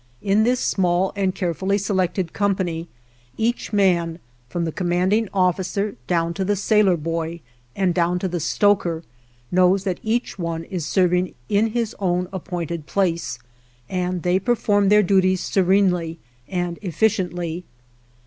In this small and carefully selected company, each man, from the commanding officer down to the sailor boy and down to the stoker, knows that each one is serving in his own appointed place, and they perform their duties serenely and efficiently.